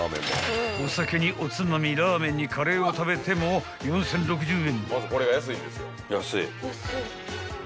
［お酒におつまみラーメンにカレーを食べても４，０６０円］